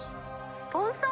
スポンサー！？